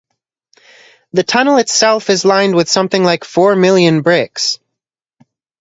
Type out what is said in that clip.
The tunnel itself is lined with something like four million bricks.